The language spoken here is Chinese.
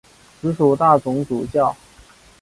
直属大总主教。